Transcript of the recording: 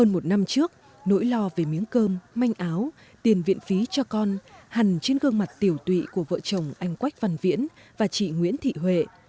hơn một năm trước nỗi lo về miếng cơm manh áo tiền viện phí cho con hằn trên gương mặt tiểu tụy của vợ chồng anh quách văn viễn và chị nguyễn thị huệ